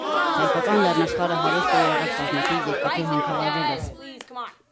Հայկական լեռնաշխարհը հարուստ եղած է բազմաթիւ երկաթի հանքավայրերով։